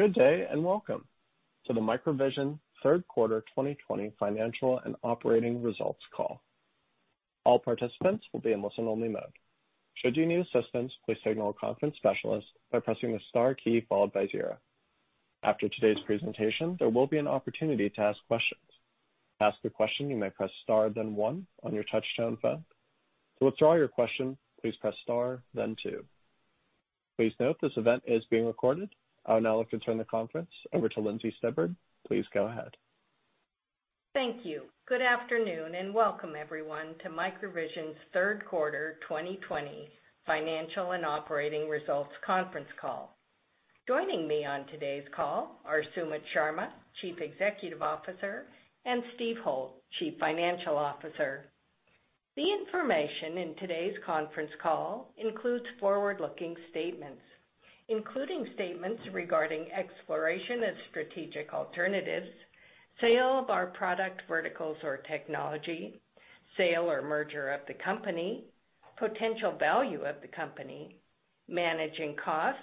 Good day, and welcome to the MicroVision Third Quarter 2020 Financial and Operating Results Call. All participants will be on listen-only mode. Should you need assistance please signal conference specialist by pressing star key followed by zero. After today's presentation, there will be an opportunity to ask questions. Please note this event is being recorded. I would now like to turn the conference over to Lindsey Stibbard. Please go ahead. Thank you. Good afternoon. Welcome everyone to MicroVision's Third Quarter 2020 Financial and Operating Results Conference Call. Joining me on today's call are Sumit Sharma, Chief Executive Officer, and Steve Holt, Chief Financial Officer. The information in today's conference call includes forward-looking statements, including statements regarding exploration of strategic alternatives, sale of our product verticals or technology, sale or merger of the company, potential value of the company, managing costs,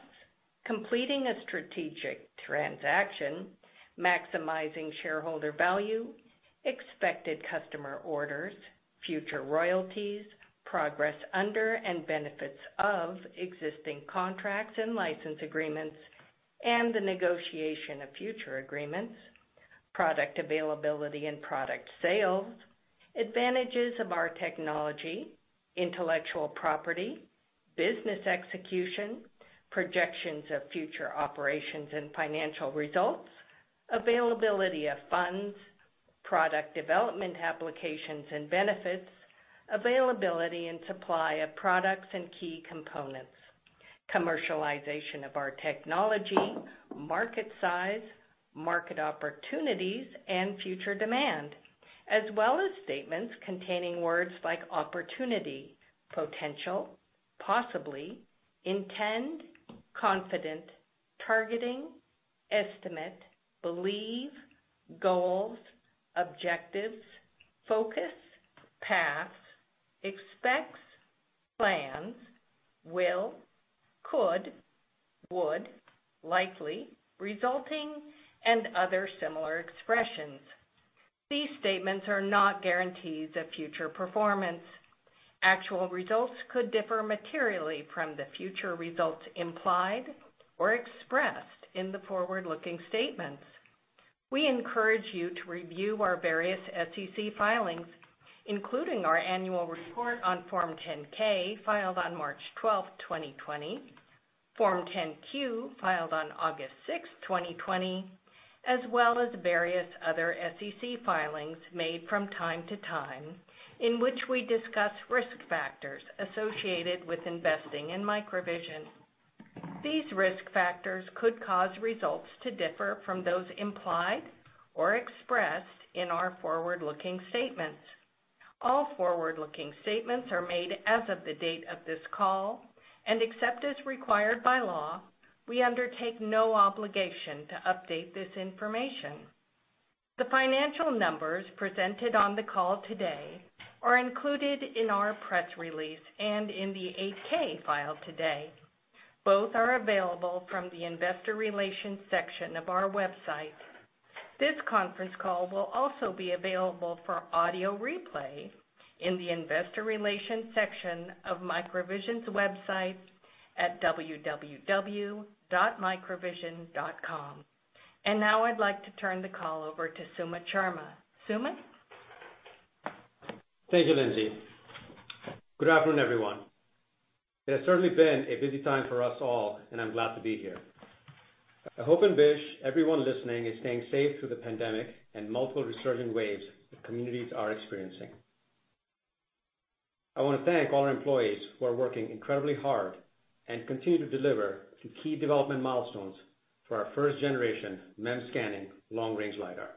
completing a strategic transaction, maximizing shareholder value, expected customer orders, future royalties, progress under and benefits of existing contracts and license agreements, and the negotiation of future agreements, product availability and product sales, advantages of our technology, intellectual property, business execution, projections of future operations and financial results, availability of funds, product development applications and benefits, availability and supply of products and key components, commercialization of our technology, market size, market opportunities, and future demand, as well as statements containing words like opportunity, potential, possibly, intend, confident, targeting, estimate, believe, goals, objectives, focus, path, expects, plans, will, could, would, likely, resulting, and other similar expressions. These statements are not guarantees of future performance. Actual results could differ materially from the future results implied or expressed in the forward-looking statements. We encourage you to review our various SEC filings, including our annual report on Form 10-K filed on March 12th, 2020, Form 10-Q filed on August 6th, 2020, as well as various other SEC filings made from time to time in which we discuss risk factors associated with investing in MicroVision. These risk factors could cause results to differ from those implied or expressed in our forward-looking statements. All forward-looking statements are made as of the date of this call. Except as required by law, we undertake no obligation to update this information. The financial numbers presented on the call today are included in our press release and in the 8-K filed today. Both are available from the investor relations section of our website. This conference call will also be available for audio replay in the investor relations section of MicroVision's website at www.microvision.com. Now I'd like to turn the call over to Sumit Sharma. Sumit? Thank you, Lindsey. Good afternoon, everyone. It has certainly been a busy time for us all, and I'm glad to be here. I hope and wish everyone listening is staying safe through the pandemic and multiple resurging waves that communities are experiencing. I want to thank all our employees who are working incredibly hard and continue to deliver to key development milestones for our first generation MEMS scanning long-range LiDAR.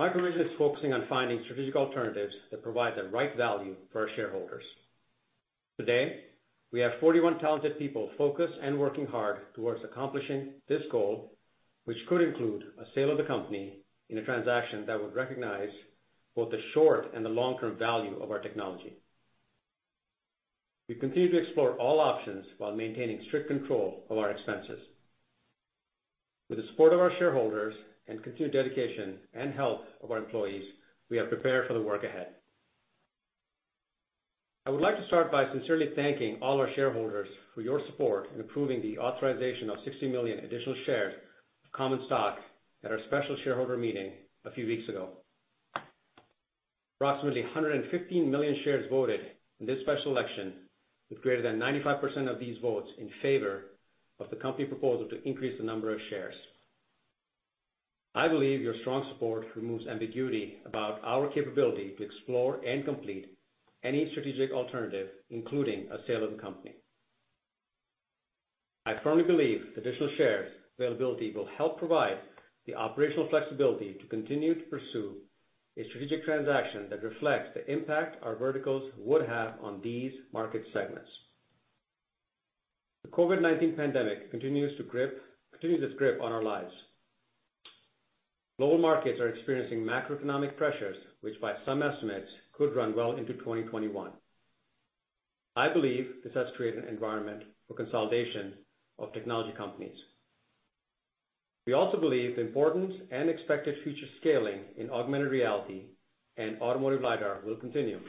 MicroVision is focusing on finding strategic alternatives that provide the right value for our shareholders. Today, we have 41 talented people focused and working hard towards accomplishing this goal, which could include a sale of the company in a transaction that would recognize both the short and the long-term value of our technology. We continue to explore all options while maintaining strict control of our expenses. With the support of our shareholders and continued dedication and health of our employees, we are prepared for the work ahead. I would like to start by sincerely thanking all our shareholders for your support in approving the authorization of 60 million additional shares of common stock at our special shareholder meeting a few weeks ago. Approximately 115 million shares voted in this special election, with greater than 95% of these votes in favor of the company proposal to increase the number of shares. I believe your strong support removes ambiguity about our capability to explore and complete any strategic alternative, including a sale of the company. I firmly believe the additional shares availability will help provide the operational flexibility to continue to pursue a strategic transaction that reflects the impact our verticals would have on these market segments. The COVID-19 pandemic continues its grip on our lives. Global markets are experiencing macroeconomic pressures, which by some estimates could run well into 2021. I believe this has created an environment for consolidation of technology companies. We also believe the importance and expected future scaling in augmented reality and automotive LiDAR will continue.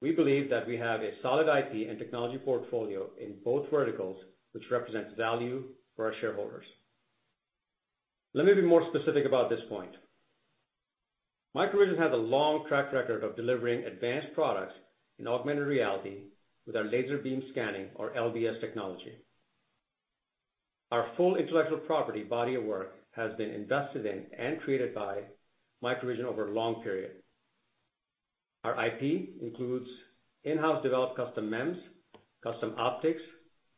We believe that we have a solid IP and technology portfolio in both verticals, which represents value for our shareholders. Let me be more specific about this point. MicroVision has a long track record of delivering advanced products in augmented reality with our Laser Beam Scanning or LBS technology. Our full intellectual property body of work has been invested in and created by MicroVision over a long period. Our IP includes in-house developed custom MEMS, custom optics,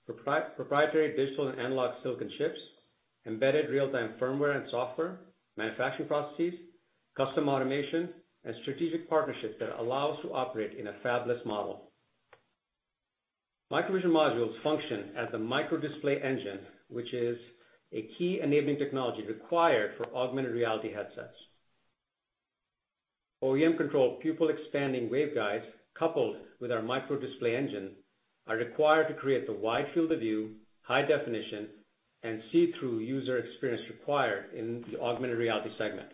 proprietary digital and analog silicon chips, embedded real-time firmware and software, manufacturing processes, custom automation, and strategic partnerships that allow us to operate in a fabless model. MicroVision modules function as a micro display engine, which is a key enabling technology required for augmented reality headsets. OEM-controlled pupil expanding waveguides, coupled with our micro display engine, are required to create the wide field of view, high definition, and see-through user experience required in the augmented reality segment.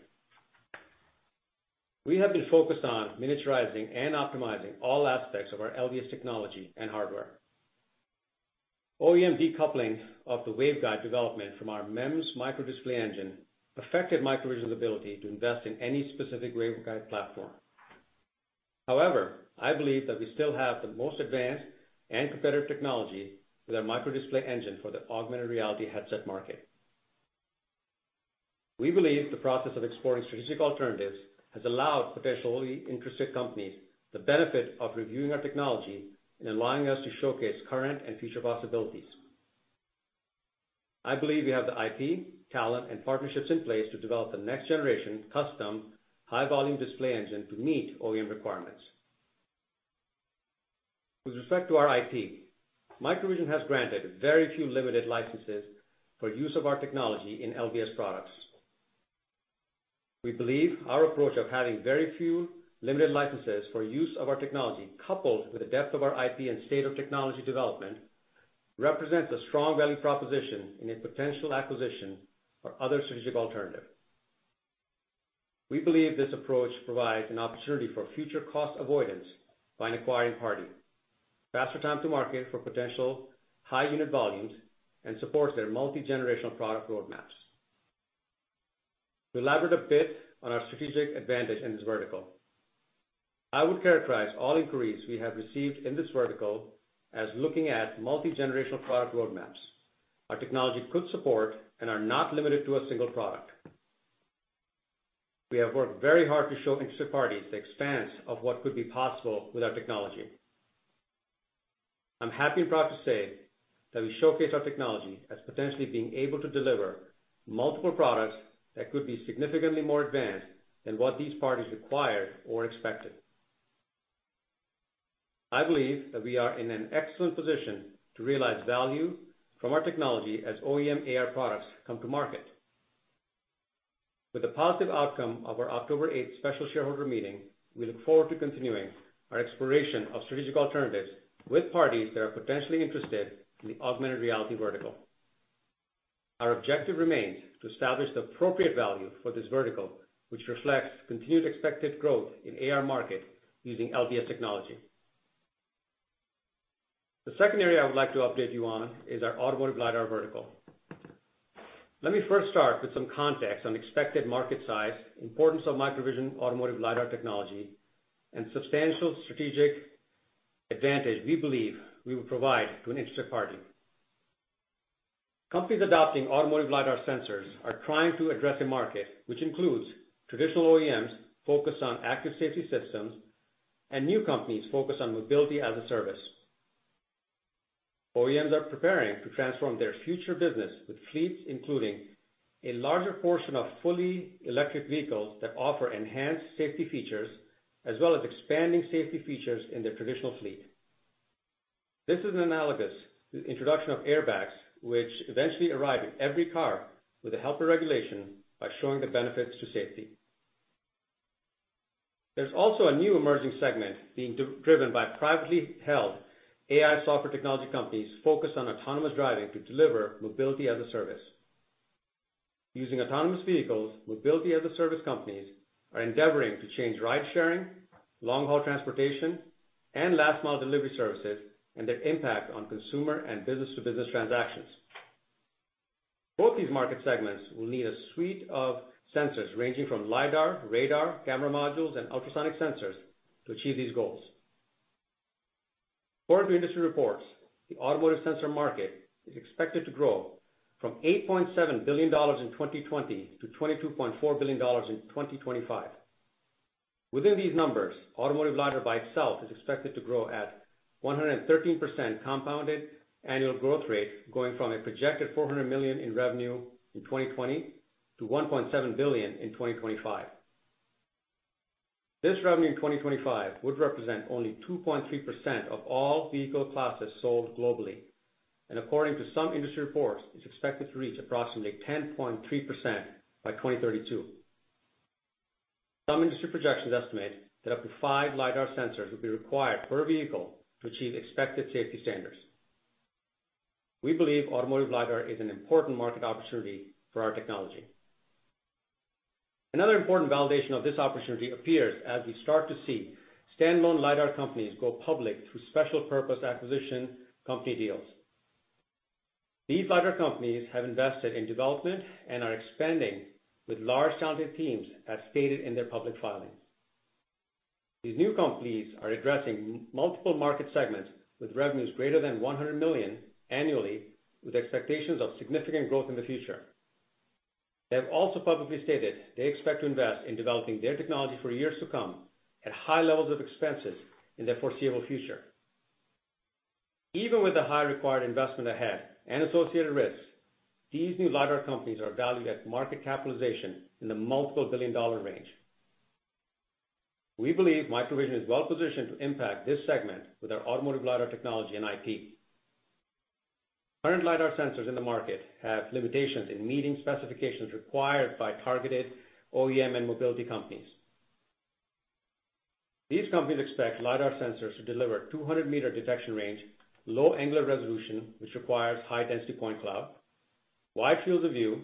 We have been focused on miniaturizing and optimizing all aspects of our LBS technology and hardware. OEM decoupling of the waveguide development from our MEMS micro display engine affected MicroVision's ability to invest in any specific waveguide platform. However, I believe that we still have the most advanced and competitive technology with our micro display engine for the augmented reality headset market. We believe the process of exploring strategic alternatives has allowed potentially interested companies the benefit of reviewing our technology and allowing us to showcase current and future possibilities. I believe we have the IP, talent, and partnerships in place to develop the next generation custom high volume display engine to meet OEM requirements. With respect to our IP, MicroVision has granted very few limited licenses for use of our technology in LBS products. We believe our approach of having very few limited licenses for use of our technology, coupled with the depth of our IP and state of technology development, represents a strong value proposition in a potential acquisition or other strategic alternative. We believe this approach provides an opportunity for future cost avoidance by an acquiring party, faster time to market for potential high unit volumes, and supports their multi-generational product roadmaps. To elaborate a bit on our strategic advantage in this vertical, I would characterize all inquiries we have received in this vertical as looking at multi-generational product roadmaps. Our technology could support and are not limited to a single product. We have worked very hard to show interested parties the expanse of what could be possible with our technology. I'm happy and proud to say that we showcase our technology as potentially being able to deliver multiple products that could be significantly more advanced than what these parties required or expected. I believe that we are in an excellent position to realize value from our technology as OEM AR products come to market. With the positive outcome of our October 8th special shareholder meeting, we look forward to continuing our exploration of strategic alternatives with parties that are potentially interested in the augmented reality vertical. Our objective remains to establish the appropriate value for this vertical, which reflects continued expected growth in AR market using LBS technology. The second area I would like to update you on is our automotive LiDAR vertical. Let me first start with some context on expected market size, importance of MicroVision automotive LiDAR technology, and substantial strategic advantage we believe we will provide to an interested party. Companies adopting automotive LiDAR sensors are trying to address a market which includes traditional OEMs focused on active safety systems and new companies focused on mobility as a service. OEMs are preparing to transform their future business with fleets, including a larger portion of fully electric vehicles that offer enhanced safety features, as well as expanding safety features in their traditional fleet. This is analogous to the introduction of airbags, which eventually arrive in every car with the help of regulation by showing the benefits to safety. There's also a new emerging segment being driven by privately held AI software technology companies focused on autonomous driving to deliver mobility as a service. Using autonomous vehicles, mobility as a service companies are endeavoring to change ride sharing, long-haul transportation, and last mile delivery services, and their impact on consumer and business-to-business transactions. Both these market segments will need a suite of sensors ranging from LiDAR, radar, camera modules, and ultrasonic sensors to achieve these goals. According to industry reports, the automotive sensor market is expected to grow from $8.7 billion in 2020 to $22.4 billion in 2025. Within these numbers, automotive LiDAR by itself is expected to grow at 113% compounded annual growth rate, going from a projected $400 million in revenue in 2020 to $1.7 billion in 2025. This revenue in 2025 would represent only 2.3% of all vehicle classes sold globally, and according to some industry reports, it's expected to reach approximately 10.3% by 2032. Some industry projections estimate that up to five LiDAR sensors will be required per vehicle to achieve expected safety standards. We believe automotive LiDAR is an important market opportunity for our technology. Another important validation of this opportunity appears as we start to see standalone LiDAR companies go public through special purpose acquisition company deals. These LiDAR companies have invested in development and are expanding with large talented teams, as stated in their public filings. These new companies are addressing multiple market segments with revenues greater than $100 million annually, with expectations of significant growth in the future. They have also publicly stated they expect to invest in developing their technology for years to come at high levels of expenses in the foreseeable future. Even with the high required investment ahead and associated risks, these new LiDAR companies are valued at market capitalization in the multiple billion-dollar range. We believe MicroVision is well positioned to impact this segment with our automotive LiDAR technology and IP. Current LiDAR sensors in the market have limitations in meeting specifications required by targeted OEM and mobility companies. These companies expect LiDAR sensors to deliver 200-meter detection range, low angular resolution, which requires high density point cloud, wide field of view,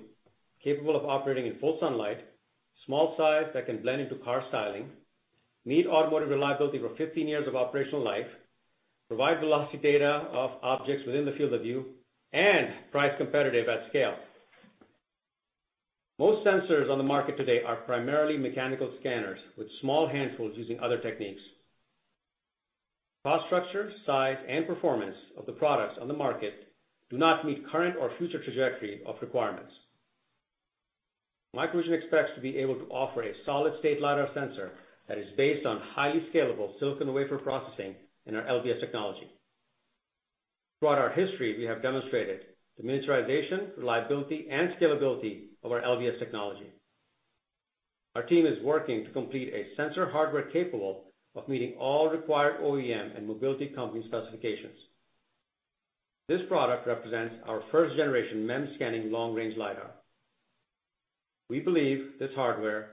capable of operating in full sunlight, small size that can blend into car styling, meet automotive reliability for 15 years of operational life, provide velocity data of objects within the field of view, and price competitive at scale. Most sensors on the market today are primarily mechanical scanners with small handfuls using other techniques. Cost structure, size, and performance of the products on the market do not meet current or future trajectory of requirements. MicroVision expects to be able to offer a solid-state LiDAR sensor that is based on highly scalable silicon wafer processing in our LBS technology. Throughout our history, we have demonstrated the miniaturization, reliability, and scalability of our LBS technology. Our team is working to complete a sensor hardware capable of meeting all required OEM and mobility company specifications. This product represents our first-generation MEMS scanning long-range LiDAR. We believe this hardware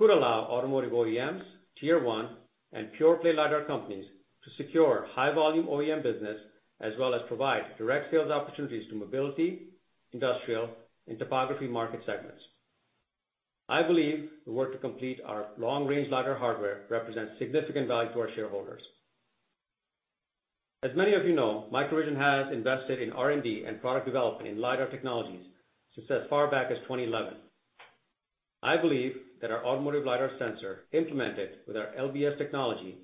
could allow automotive OEMs, Tier 1, and pure-play LiDAR companies to secure high-volume OEM business as well as provide direct sales opportunities to mobility, industrial, and topography market segments. I believe the work to complete our long-range LiDAR hardware represents significant value to our shareholders. As many of you know, MicroVision has invested in R&D and product development in LiDAR technologies since as far back as 2011. I believe that our automotive LiDAR sensor implemented with our LBS technology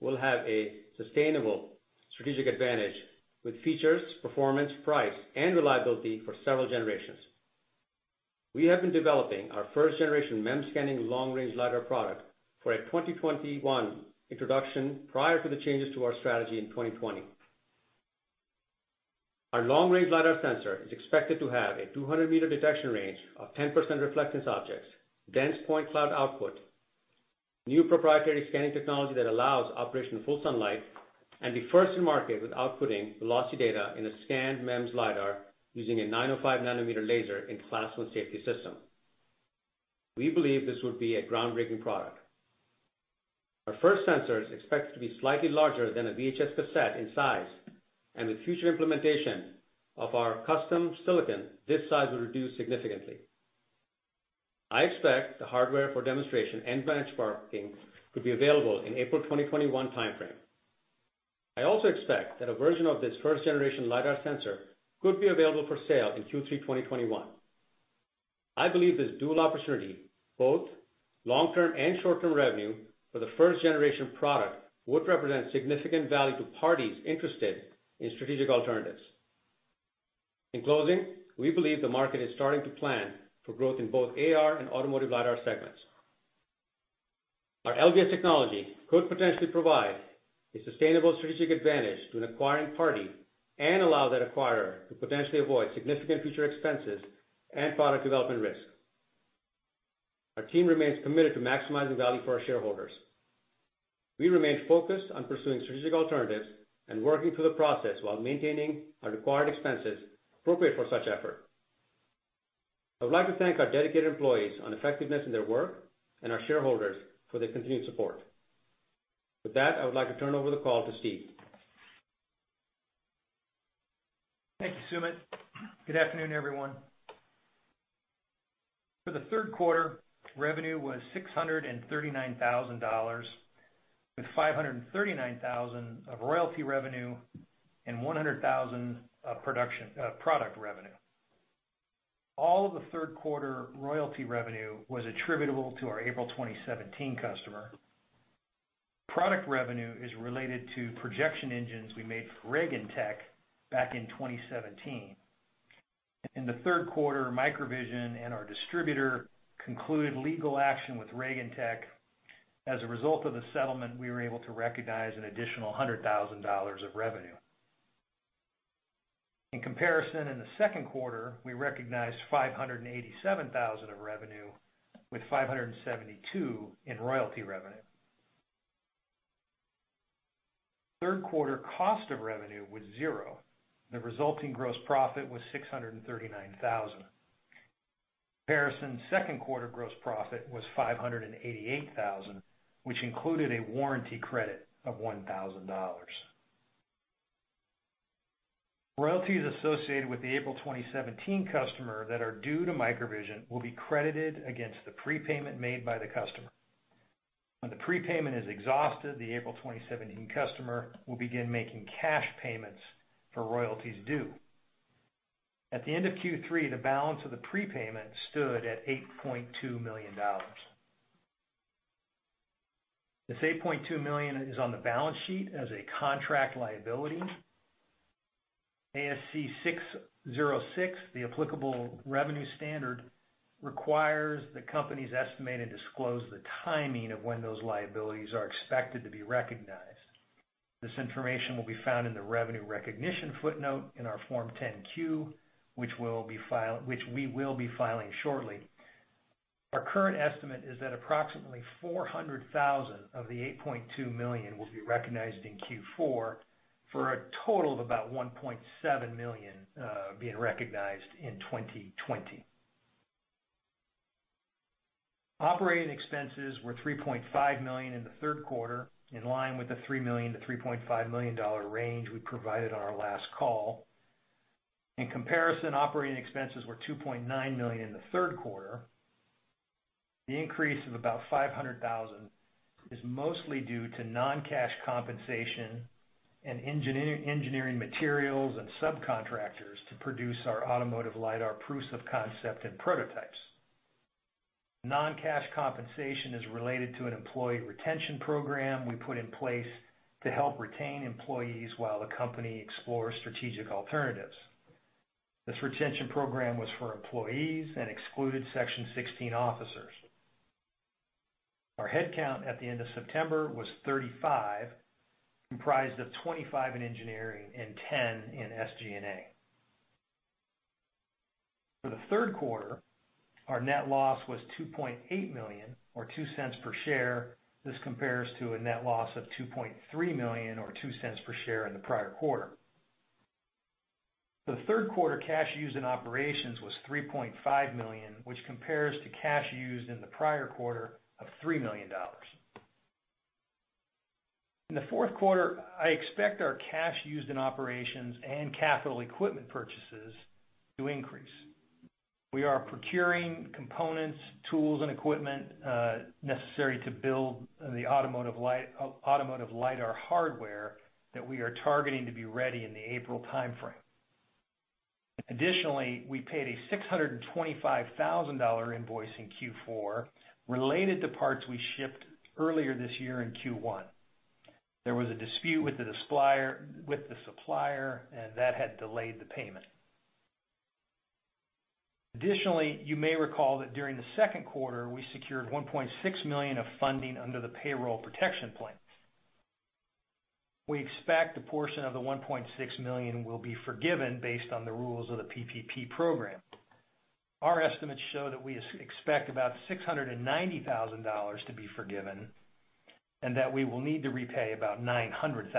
will have a sustainable strategic advantage with features, performance, price, and reliability for several generations. We have been developing our first-generation MEMS scanning long-range LiDAR product for a 2021 introduction prior to the changes to our strategy in 2020. Our long-range LiDAR sensor is expected to have a 200 m detection range of 10% reflectance objects, dense point cloud output, new proprietary scanning technology that allows operation in full sunlight, and be first in market with outputting velocity data in a scanned MEMS LiDAR using a 905 nm laser in Class 1 safety system. We believe this would be a groundbreaking product. Our first sensor is expected to be slightly larger than a VHS cassette in size, and with future implementation of our custom silicon, this size will reduce significantly. I expect the hardware for demonstration and benchmarking to be available in April 2021 timeframe. I also expect that a version of this first-generation LiDAR sensor could be available for sale in Q3 2021. I believe this dual opportunity, both long-term and short-term revenue for the first-generation product, would represent significant value to parties interested in strategic alternatives. In closing, we believe the market is starting to plan for growth in both AR and automotive LiDAR segments. Our LBS technology could potentially provide a sustainable strategic advantage to an acquiring party and allow that acquirer to potentially avoid significant future expenses and product development risk. Our team remains committed to maximizing value for our shareholders. We remain focused on pursuing strategic alternatives and working through the process while maintaining our required expenses appropriate for such effort. I would like to thank our dedicated employees on effectiveness in their work and our shareholders for their continued support. With that, I would like to turn over the call to Steve. Thank you, Sumit. Good afternoon, everyone. For the third quarter, revenue was $639,000, with $539,000 of royalty revenue and $100,000 of product revenue. All of the third quarter royalty revenue was attributable to our April 2017 customer. Product revenue is related to projection engines we made for Ragentek back in 2017. In the third quarter, MicroVision and our distributor concluded legal action with Ragentek. As a result of the settlement, we were able to recognize an additional $100,000 of revenue. In comparison, in the second quarter, we recognized $587,000 of revenue, with $572 in royalty revenue. Third quarter cost of revenue was zero. The resulting gross profit was $639,000. In comparison, second quarter gross profit was $588,000, which included a warranty credit of $1,000. Royalties associated with the April 2017 customer that are due to MicroVision will be credited against the prepayment made by the customer. When the prepayment is exhausted, the April 2017 customer will begin making cash payments for royalties due. At the end of Q3, the balance of the prepayment stood at $8.2 million. This $8.2 million is on the balance sheet as a contract liability. ASC 606, the applicable revenue standard, requires that companies estimate and disclose the timing of when those liabilities are expected to be recognized. This information will be found in the revenue recognition footnote in our Form 10-Q, which we will be filing shortly. Our current estimate is that approximately $400,000 of the $8.2 million will be recognized in Q4, for a total of about $1.7 million being recognized in 2020. Operating expenses were $3.5 million in the third quarter, in line with the $3 million-$3.5 million range we provided on our last call. In comparison, operating expenses were $2.9 million in the third quarter. The increase of about $500,000 is mostly due to non-cash compensation and engineering materials and subcontractors to produce our automotive LiDAR proofs of concept and prototypes. Non-cash compensation is related to an employee retention program we put in place to help retain employees while the company explores strategic alternatives. This retention program was for employees and excluded Section 16 officers. Our headcount at the end of September was 35, comprised of 25 in engineering and 10 in SG&A. For the third quarter, our net loss was $2.8 million, or $0.02 per share. This compares to a net loss of $2.3 million or $0.02 per share in the prior quarter. The third quarter cash used in operations was $3.5 million, which compares to cash used in the prior quarter of $3 million. In the fourth quarter, I expect our cash used in operations and capital equipment purchases to increase. We are procuring components, tools and equipment necessary to build the automotive LiDAR hardware that we are targeting to be ready in the April timeframe. Additionally, we paid a $625,000 invoice in Q4 related to parts we shipped earlier this year in Q1. There was a dispute with the supplier and that had delayed the payment. Additionally, you may recall that during the second quarter, we secured $1.6 million of funding under the Paycheck Protection Program. We expect a portion of the $1.6 million will be forgiven based on the rules of the PPP program. Our estimates show that we expect about $690,000 to be forgiven and that we will need to repay about $900,000.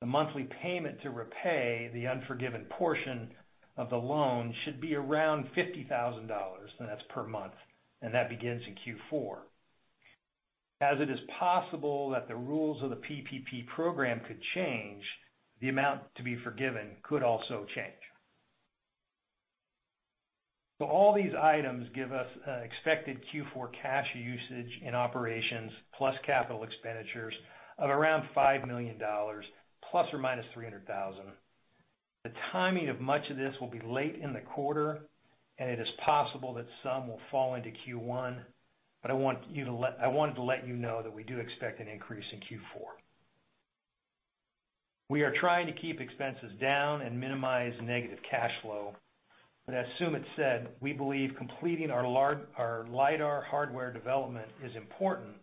The monthly payment to repay the unforgiven portion of the loan should be around $50,000, and that's per month, and that begins in Q4. As it is possible that the rules of the PPP Program could change, the amount to be forgiven could also change. All these items give us expected Q4 cash usage in operations plus capital expenditures of around $5 million ±$300,000. The timing of much of this will be late in the quarter, and it is possible that some will fall into Q1. I wanted to let you know that we do expect an increase in Q4. We are trying to keep expenses down and minimize negative cash flow. As Sumit said, we believe completing our LiDAR hardware development is important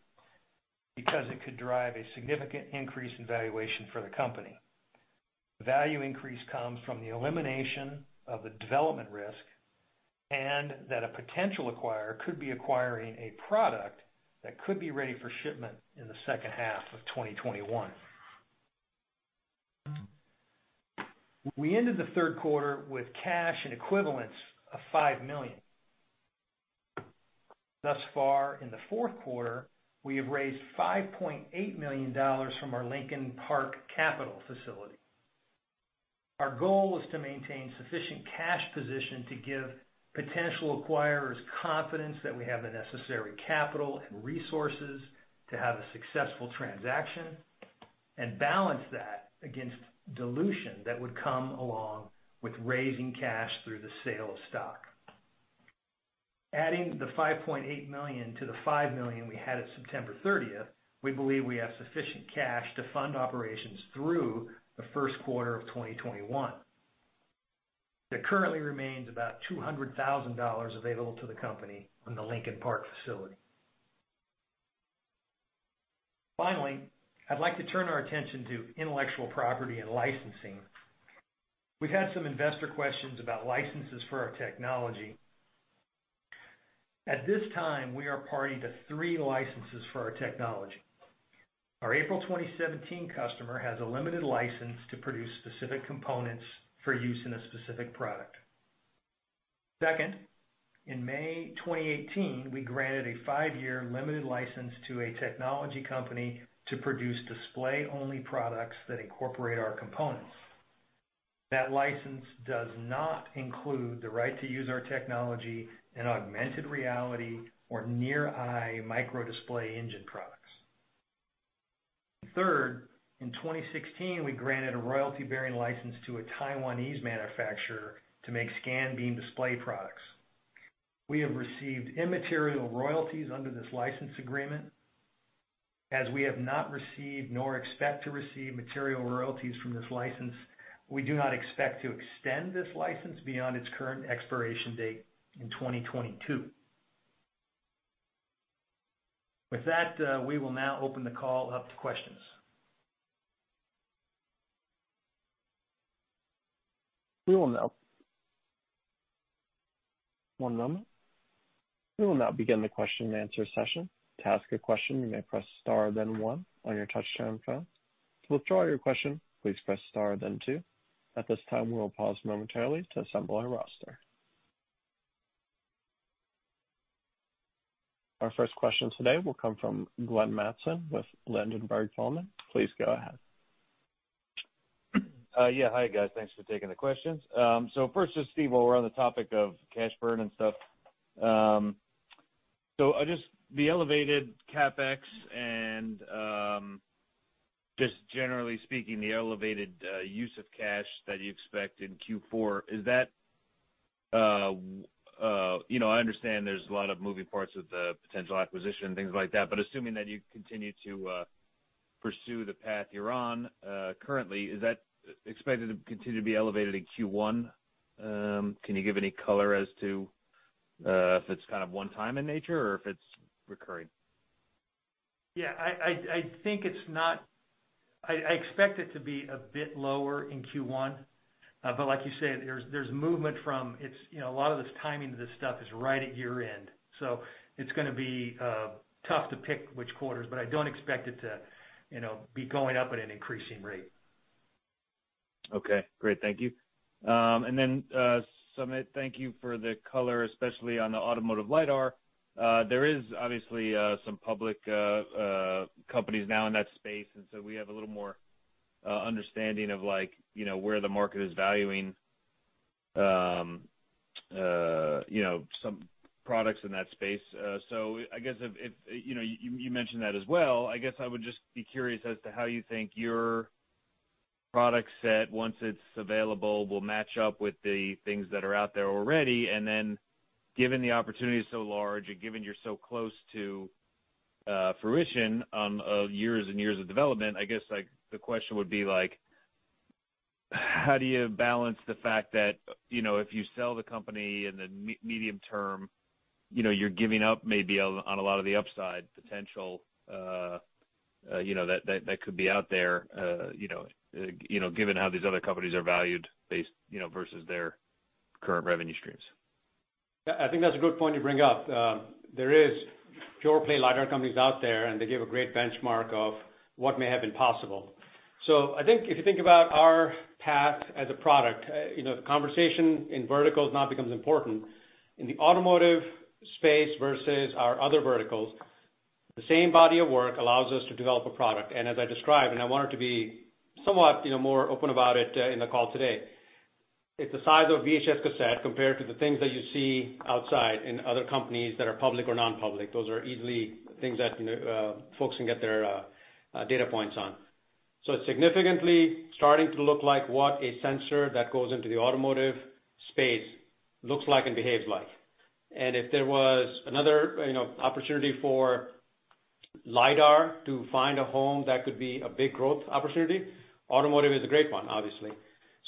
because it could drive a significant increase in valuation for the company. Value increase comes from the elimination of the development risk and that a potential acquirer could be acquiring a product that could be ready for shipment in the second half of 2021. We ended the third quarter with cash and equivalents of $5 million. Thus far in the fourth quarter, we have raised $5.8 million from our Lincoln Park Capital facility. Our goal is to maintain sufficient cash position to give potential acquirers confidence that we have the necessary capital and resources to have a successful transaction and balance that against dilution that would come along with raising cash through the sale of stock. Adding the $5.8 million-the $5 million we had at September 30th, we believe we have sufficient cash to fund operations through the first quarter of 2021. There currently remains about $200,000 available to the company from the Lincoln Park facility. Finally, I'd like to turn our attention to intellectual property and licensing. We've had some investor questions about licenses for our technology. At this time, we are party to three licenses for our technology. Our April 2017 customer has a limited license to produce specific components for use in a specific product. Second, in May 2018, we granted a five-year limited license to a technology company to produce display-only products that incorporate our components. That license does not include the right to use our technology in augmented reality or near-eye micro display engine products. Third, in 2016, we granted a royalty-bearing license to a Taiwanese manufacturer to make scan beam display products. We have received immaterial royalties under this license agreement. As we have not received nor expect to receive material royalties from this license, we do not expect to extend this license beyond its current expiration date in 2022. With that, we will now open the call up to questions. We will now begin the question-and-answer session. To ask a question you may press star then one on your touch-tone phone to withdraw your question please press star then two. We will pose momentarily as we compile the Q&A roster. Our first question today will come from Glenn Mattson with Ladenburg Thalmann. Please go ahead. Yeah. Hi, guys. Thanks for taking the questions. First, just Steve, while we're on the topic of cash burn and stuff. Just the elevated CapEx and, just generally speaking, the elevated use of cash that you expect in Q4, I understand there's a lot of moving parts with the potential acquisition and things like that, but assuming that you continue to pursue the path you're on currently, is that expected to continue to be elevated in Q1? Can you give any color as to if it's kind of one time in nature or if it's recurring? Yeah, I expect it to be a bit lower in Q1. Like you said, there's movement from A lot of this timing of this stuff is right at year-end. It's going to be tough to pick which quarters, but I don't expect it to be going up at an increasing rate. Okay, great. Thank you. Sumit, thank you for the color, especially on the automotive LiDAR. There is obviously some public companies now in that space. We have a little more understanding of where the market is valuing some products in that space. I guess, you mentioned that as well. I guess I would just be curious as to how you think your product set, once it's available, will match up with the things that are out there already. Given the opportunity is so large and given you're so close to fruition of years and years of development, I guess, the question would be, how do you balance the fact that if you sell the company in the medium-term, you're giving up maybe on a lot of the upside potential that could be out there given how these other companies are valued based versus their current revenue streams. I think that's a good point you bring up. There is pure play LiDAR companies out there, and they give a great benchmark of what may have been possible. I think if you think about our path as a product, conversation in verticals now becomes important. In the automotive space versus our other verticals, the same body of work allows us to develop a product. As I described, and I wanted to be somewhat more open about it in the call today, it's the size of VHS cassette compared to the things that you see outside in other companies that are public or non-public. Those are easily things that folks can get their data points on. It's significantly starting to look like what a sensor that goes into the automotive space looks like and behaves like. If there was another opportunity for LiDAR to find a home that could be a big growth opportunity, automotive is a great one, obviously.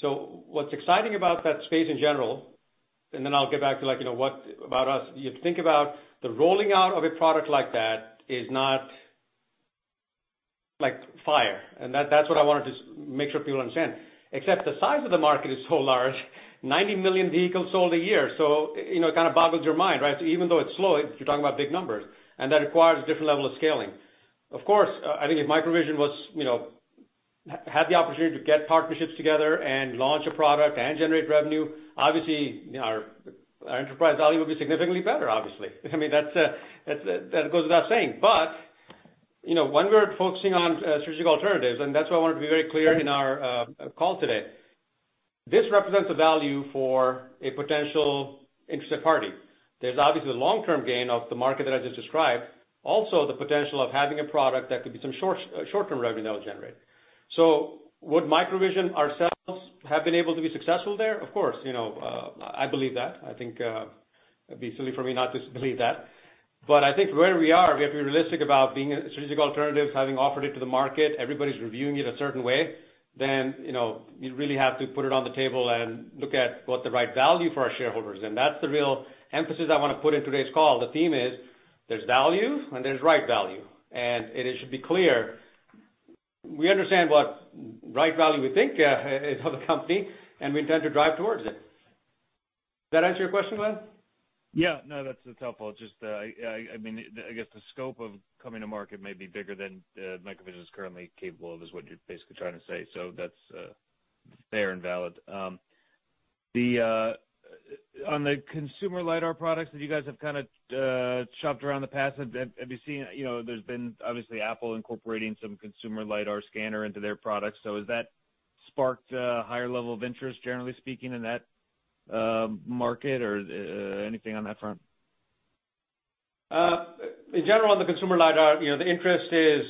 What's exciting about that space in general, and then I'll get back to what about us, you think about the rolling out of a product like that is not like fire. That's what I wanted to make sure people understand. Except the size of the market is so large, 90 million vehicles sold a year. It kind of boggles your mind, right? Even though it's slow, you're talking about big numbers, and that requires a different level of scaling. Of course, I think if MicroVision had the opportunity to get partnerships together and launch a product and generate revenue, obviously, our enterprise value would be significantly better, obviously. That goes without saying. When we're focusing on strategic alternatives, that's why I wanted to be very clear in our call today. This represents a value for a potential interested party. There's obviously the long-term gain of the market that I just described, also the potential of having a product that could be some short-term revenue that will generate. Would MicroVision ourselves have been able to be successful there? Of course, I believe that. I think it'd be silly for me not to believe that. I think where we are, we have to be realistic about being a strategic alternative, having offered it to the market. Everybody's reviewing it a certain way. You really have to put it on the table and look at what the right value for our shareholders is. That's the real emphasis I want to put in today's call. The theme is there's value and there's right value. It should be clear. We understand what right value we think of a company, and we intend to drive towards it. Does that answer your question, Glenn? Yeah. No, that's helpful. I guess the scope of coming to market may be bigger than MicroVision is currently capable of, is what you're basically trying to say. That's fair and valid. On the consumer LiDAR products that you guys have kind of shopped around the past, there's been, obviously, Apple incorporating some consumer LiDAR scanner into their products. Has that sparked a higher level of interest, generally speaking, in that market or anything on that front? In general, on the consumer LiDAR, the interest is,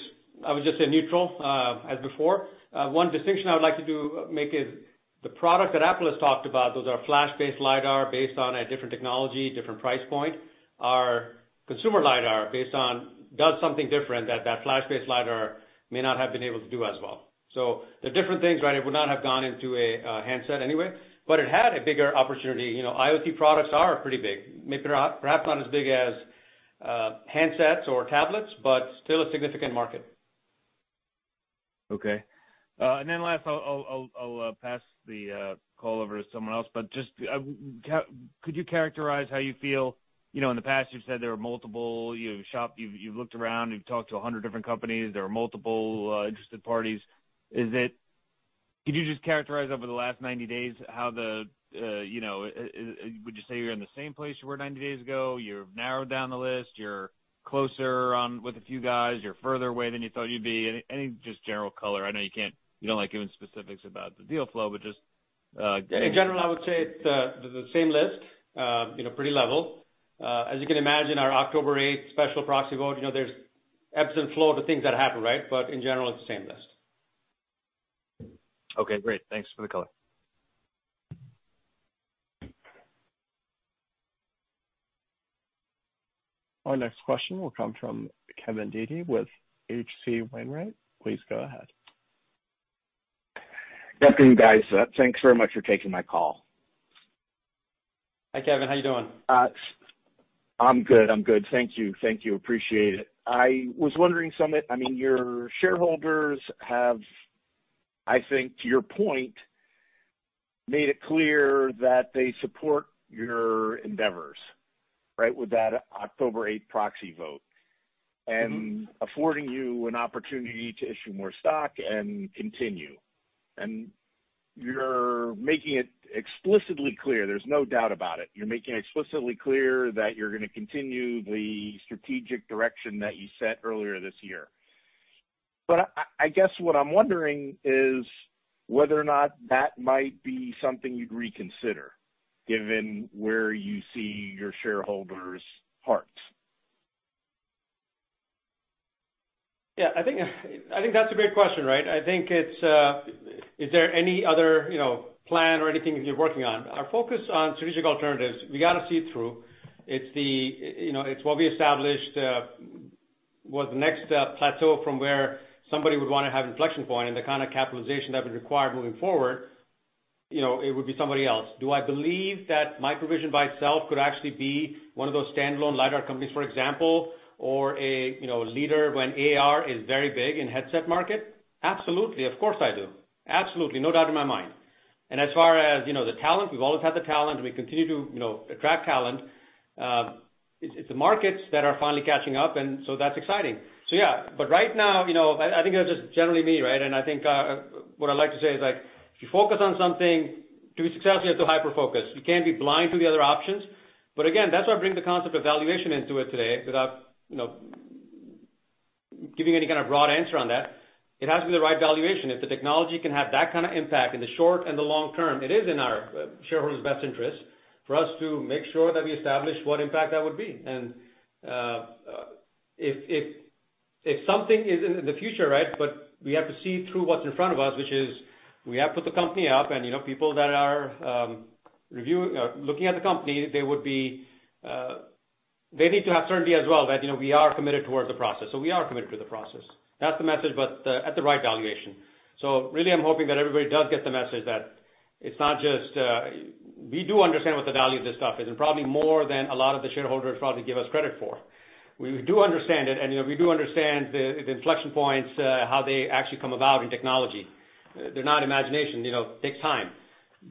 I would just say, neutral as before. One distinction I would like to make is the product that Apple has talked about, those are flash-based LiDAR based on a different technology, different price point. Our consumer LiDAR does something different that flash-based LiDAR may not have been able to do as well. So they're different things. It would not have gone into a handset anyway, but it had a bigger opportunity. IoT products are pretty big. Perhaps not as big as handsets or tablets, but still a significant market. Okay. Then last, I'll pass the call over to someone else. Could you characterize how you feel? In the past, you've said there are multiple-- you've looked around, you've talked to 100 different companies. There are multiple interested parties. Could you just characterize over the last 90 days, would you say you're in the same place you were 90 days ago? You've narrowed down the list, you're closer on with a few guys, you're further away than you thought you'd be? Any just general color? I know you don't like giving specifics about the deal flow, but just? In general, I would say it's the same list, pretty level. As you can imagine, our October 8th special proxy vote, there's ebbs and flow to things that happen. In general, it's the same list. Okay, great. Thanks for the color. Our next question will come from Kevin Dede with H.C. Wainwright. Please go ahead. Good afternoon, guys. Thanks very much for taking my call. Hi, Kevin. How you doing? I'm good, thank you. Appreciate it. I was wondering, Sumit, your shareholders have, I think to your point, made it clear that they support your endeavors with that October 8th proxy vote. Affording you an opportunity to issue more stock and continue. You're making it explicitly clear, there's no doubt about it. You're making it explicitly clear that you're going to continue the strategic direction that you set earlier this year. I guess what I'm wondering is whether or not that might be something you'd reconsider, given where you see your shareholders' hearts. Yeah, I think that's a great question. Is there any other plan or anything that you're working on? Our focus on strategic alternatives, we got to see it through. It's what we established was the next plateau from where somebody would want to have inflection point and the kind of capitalization that would require moving forward, it would be somebody else. Do I believe that MicroVision by itself could actually be one of those standalone LiDAR companies, for example, or a leader when AR is very big in headset market? Absolutely, of course, I do. Absolutely, no doubt in my mind. As far as the talent, we've always had the talent, and we continue to attract talent. It's the markets that are finally catching up, that's exciting. Yeah, but right now, I think that's just generally me. I think what I'd like to say is, if you focus on something, to be successful, you have to hyper focus. You can't be blind to the other options. Again, that's why I bring the concept of valuation into it today without giving any kind of broad answer on that. It has to be the right valuation. If the technology can have that kind of impact in the short and the long-term, it is in our shareholders' best interest for us to make sure that we establish what impact that would be. If something is in the future, but we have to see through what's in front of us, which is we have to put the company up and people that are looking at the company, they need to have certainty as well that we are committed towards the process. We are committed to the process. That's the message, at the right valuation. Really, I'm hoping that everybody does get the message that we do understand what the value of this stuff is, and probably more than a lot of the shareholders probably give us credit for. We do understand it, we do understand the inflection points, how they actually come about in technology. They're not imagination, it takes time.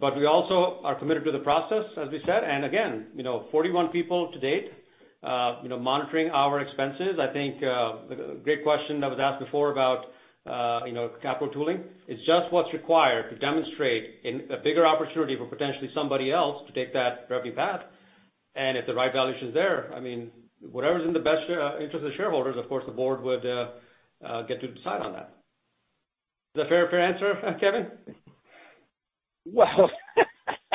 We also are committed to the process, as we said. Again, 41 people to date, monitoring our expenses. I think a great question that was asked before about capital tooling. It's just what's required to demonstrate a bigger opportunity for potentially somebody else to take that revenue path. If the right valuation is there, whatever's in the best interest of the shareholders, of course, the board would get to decide on that. Is that a fair answer, Kevin? Well,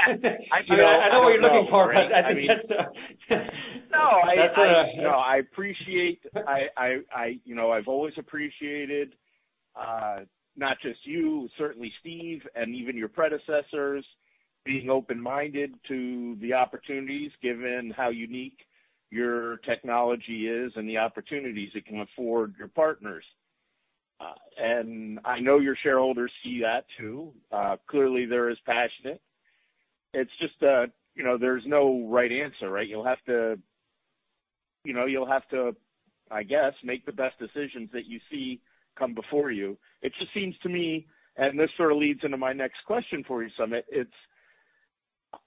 I know what you're looking for, but I think that's. No, I've always appreciated, not just you, certainly Steve, and even your predecessors, being open-minded to the opportunities given how unique your technology is and the opportunities it can afford your partners. I know your shareholders see that, too. Clearly, they're as passionate. It's just there's no right answer. You'll have to, I guess, make the best decisions that you see come before you. It just seems to me, and this sort of leads into my next question for you, Sumit.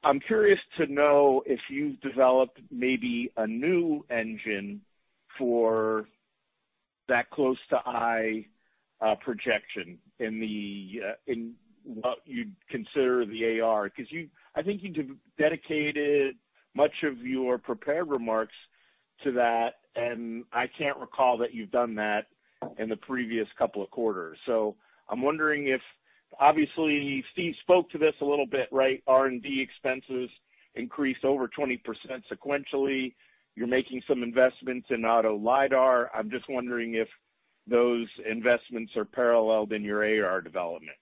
I'm curious to know if you've developed maybe a new engine for that close-to-eye projection in what you'd consider the AR. I think you dedicated much of your prepared remarks to that, and I can't recall that you've done that in the previous couple of quarters. I'm wondering if, obviously, Steve spoke to this a little bit, right? R&D expenses increased over 20% sequentially. You're making some investments in auto LiDAR. I'm just wondering if those investments are paralleled in your AR development.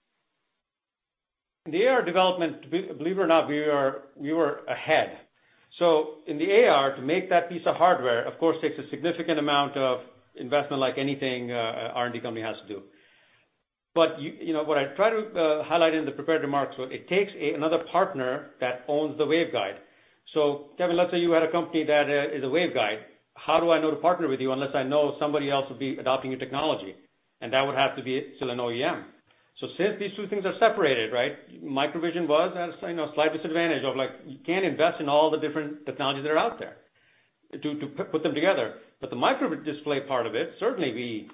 The AR development, believe it or not, we were ahead. In the AR, to make that piece of hardware, of course, takes a significant amount of investment like anything a R&D company has to do. What I try to highlight in the prepared remarks was it takes another partner that owns the waveguide. Kevin, let's say you had a company that is a waveguide. How do I know to partner with you unless I know somebody else would be adopting your technology? That would have to be still an OEM. Since these two things are separated, MicroVision was at a slight disadvantage of you can't invest in all the different technologies that are out there to put them together. The micro display part of it, certainly,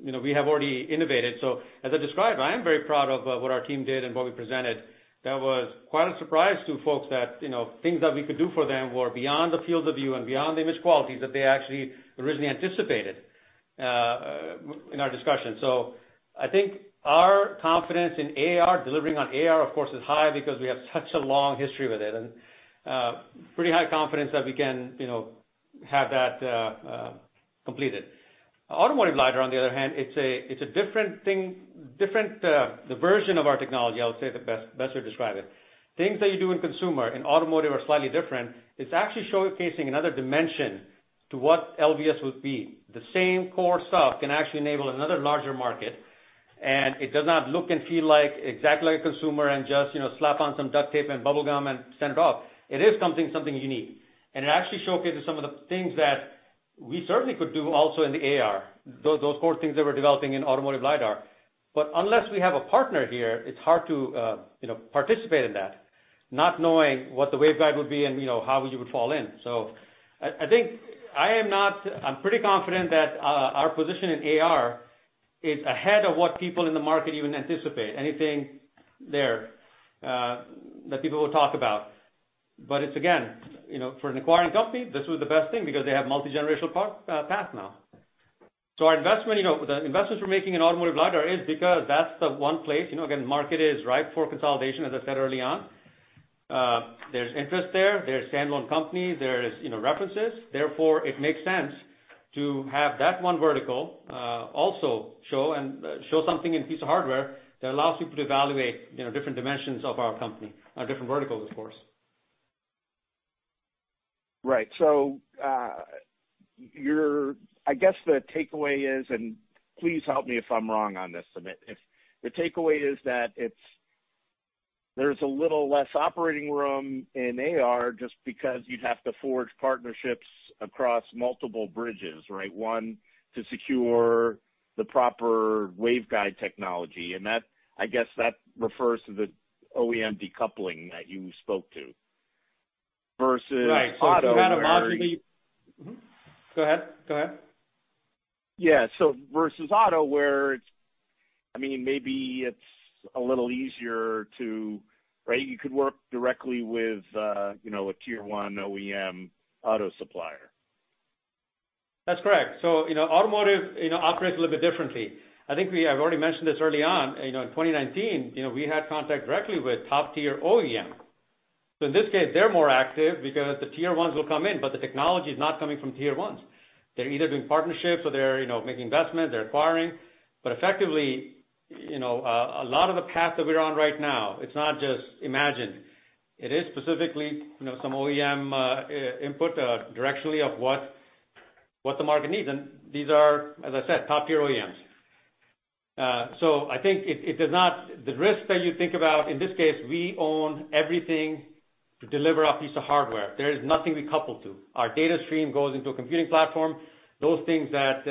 we have already innovated. I am very proud of what our team did and what we presented. That was quite a surprise to folks that things that we could do for them were beyond the field of view and beyond the image quality that they actually originally anticipated in our discussion. I think our confidence in AR, delivering on AR, of course, is high because we have such a long history with it, and pretty high confidence that we can have that completed. Automotive LiDAR, on the other hand, it's a different version of our technology, I would say, to best describe it. Things that you do in consumer and automotive are slightly different. It's actually showcasing another dimension to what LBS would be. The same core stuff can actually enable another larger market, and it does not look and feel exactly like a consumer and just slap on some duct tape and bubblegum and send it off. It is something unique. It actually showcases some of the things that we certainly could do also in the AR, those core things that we're developing in automotive LiDAR. Unless we have a partner here, it's hard to participate in that, not knowing what the waveguide would be and how you would fall in. I think I'm pretty confident that our position in AR is ahead of what people in the market even anticipate, anything there that people will talk about. It's, again, for an acquiring company, this was the best thing because they have a multi-generational path now. The investments we're making in automotive LiDAR is because that's the one place, again, the market is ripe for consolidation, as I said early on. There's interest there. There's standalone companies. There's references. Therefore, it makes sense to have that one vertical also show something in a piece of hardware that allows people to evaluate different dimensions of our company, different verticals, of course. Right. I guess the takeaway is, and please help me if I'm wrong on this, Sumit, the takeaway is that there's a little less operating room in AR just because you'd have to forge partnerships across multiple bridges, right? One, to secure the proper waveguide technology, and I guess that refers to the OEM decoupling that you spoke to versus auto. Right. Go ahead. Versus auto, where maybe it's a little easier You could work directly with a Tier 1 OEM auto supplier. That's correct. Automotive operates a little bit differently. I think I've already mentioned this early on. In 2019, we had contact directly with top-tier OEMs. In this case, they're more active because the Tier 1s will come in, but the technology is not coming from Tier 1s. They're either doing partnerships or they're making investments, they're acquiring. Effectively, a lot of the path that we're on right now, it's not just imagined. It is specifically some OEM input directly of what the market needs. These are, as I said, top-tier OEMs. I think the risk that you think about, in this case, we own everything to deliver a piece of hardware. There is nothing we couple to. Our data stream goes into a computing platform. Those things that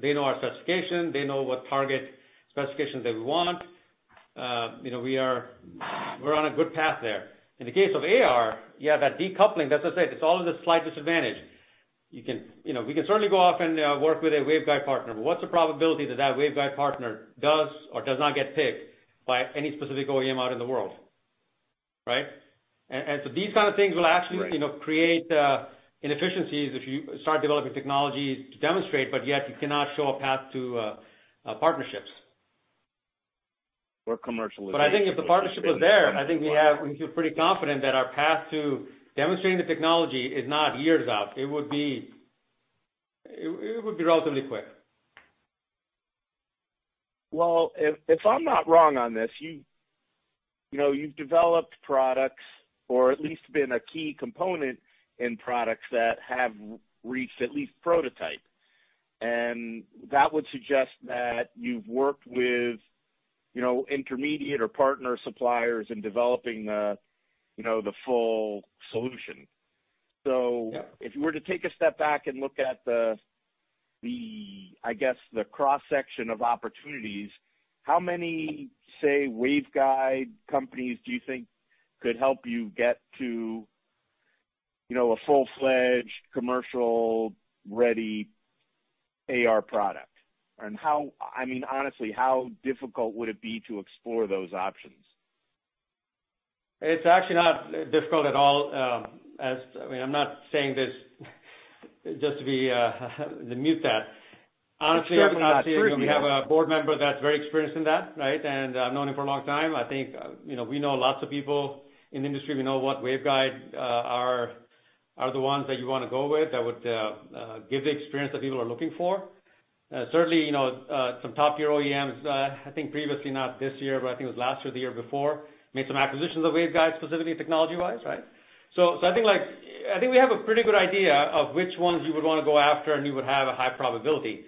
they know our specification, they know what target specifications that we want. We're on a good path there. In the case of AR, you have that decoupling. As I said, it's all at a slight disadvantage. We can certainly go off and work with a waveguide partner, but what's the probability that that waveguide partner does or does not get picked by any specific OEM out in the world, right? These kind of things will actually create inefficiencies if you start developing technologies to demonstrate, but yet you cannot show a path to partnerships. Commercialization. I think if the partnership was there, I think we feel pretty confident that our path to demonstrating the technology is not years out. It would be relatively quick. Well, if I'm not wrong on this, you've developed products or at least been a key component in products that have reached at least prototype. That would suggest that you've worked with intermediate or partner suppliers in developing the full solution. Yeah. If you were to take a step back and look at the cross-section of opportunities, how many, say, waveguide companies do you think could help you get to a full-fledged commercial-ready AR product? Honestly, how difficult would it be to explore those options? It's actually not difficult at all. I'm not saying this just to mute that. Sure. No, appreciate that. We have a board member that's very experienced in that. I've known him for a long time. I think we know lots of people in the industry. We know what waveguide are the ones that you want to go with that would give the experience that people are looking for. Certainly, some top-tier OEMs, I think previously, not this year, but I think it was last or the year before, made some acquisitions of waveguide specifically technology-wise. I think we have a pretty good idea of which ones we would want to go after, and we would have a high probability.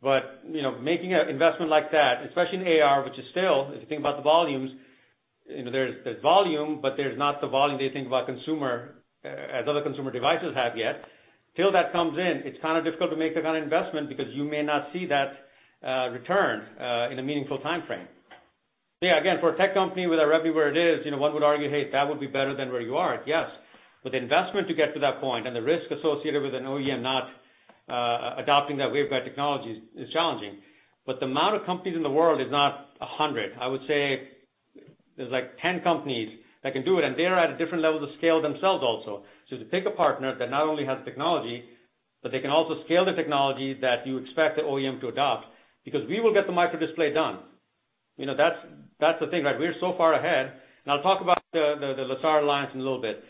Making an investment like that, especially in AR, which is still, if you think about the volumes, there's volume, but there's not the volume that you think about as other consumer devices have yet. Until that comes in, it's kind of difficult to make that kind of investment because you may not see that return in a meaningful timeframe. Again, for a tech company with a revenue where it is, one would argue, "Hey, that would be better than where you are." Yes. The investment to get to that point and the risk associated with an OEM not adopting that waveguide technology is challenging. The amount of companies in the world is not 100. I would say there's 10 companies that can do it, and they are at different levels of scale themselves also. To pick a partner that not only has the technology, but they can also scale the technology that you expect the OEM to adopt, because we will get the micro display done. That's the thing. We're so far ahead, and I'll talk about the LaSAR Alliance in a little bit.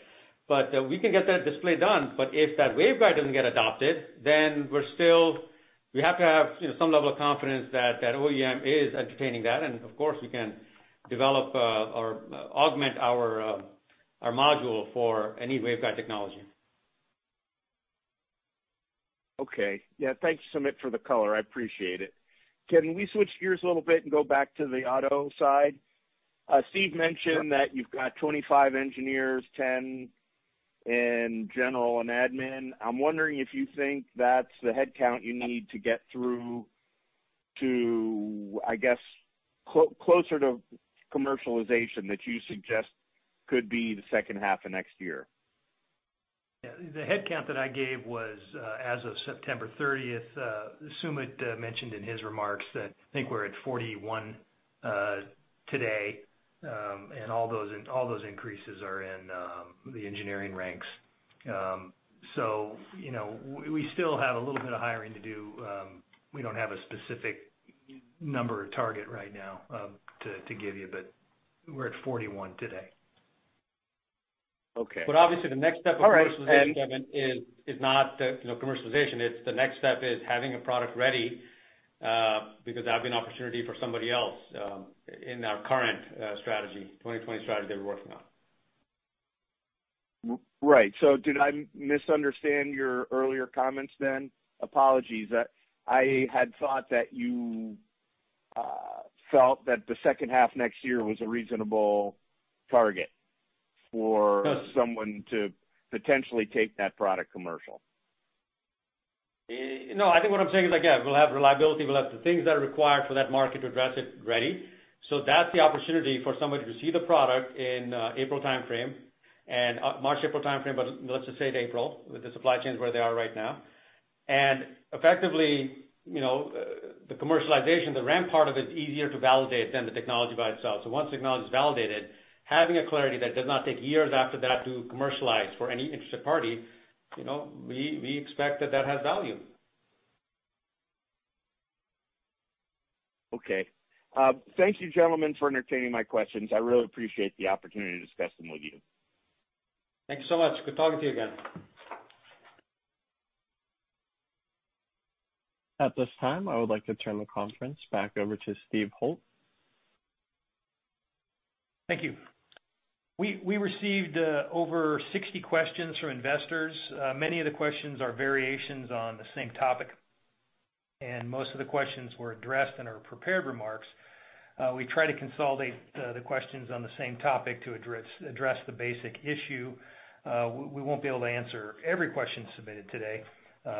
We can get that display done, but if that waveguide doesn't get adopted, then we have to have some level of confidence that that OEM is entertaining that. Of course, we can develop or augment our module for any waveguide technology. Okay. Thank you, Sumit, for the color. I appreciate it. Can we switch gears a little bit and go back to the auto side? Steve mentioned that you've got 25 engineers, 10 in general and admin. I'm wondering if you think that's the headcount you need to get through to closer to commercialization that you suggest could be the second half of next year. The headcount that I gave was as of September 30th. Sumit mentioned in his remarks that I think we're at 41 today. All those increases are in the engineering ranks. We still have a little bit of hiring to do. We don't have a specific number or target right now to give you, but we're at 41 today. Okay. Obviously the next step of commercialization. All right. Kevin, is not commercialization. The next step is having a product ready, because that'd be an opportunity for somebody else in our current 2020 strategy that we're working on. Right. Did I misunderstand your earlier comments then? Apologies. I had thought that you felt that the second half next year was a reasonable target for someone to potentially take that product commercial. No, I think what I'm saying is, again, we'll have reliability, we'll have the things that are required for that market to address it ready. That's the opportunity for somebody to see the product in April timeframe. March, April timeframe, let's just say April, with the supply chains where they are right now. Effectively, the commercialization, the ramp part of it is easier to validate than the technology by itself. Once the technology is validated, having a clarity that does not take years after that to commercialize for any interested party, we expect that that has value. Okay. Thank you, gentlemen, for entertaining my questions. I really appreciate the opportunity to discuss them with you. Thank you so much. Good talking to you again. At this time, I would like to turn the conference back over to Steve Holt. Thank you. We received over 60 questions from investors. Many of the questions are variations on the same topic, and most of the questions were addressed in our prepared remarks. We try to consolidate the questions on the same topic to address the basic issue. We won't be able to answer every question submitted today,